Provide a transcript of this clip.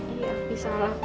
iya opi salah kak